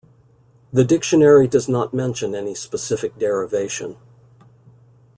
The dictionary does not mention any specific derivation.